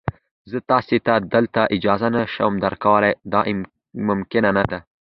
زه تاسي ته دلته اجازه نه شم درکولای، دا ممکنه نه ده.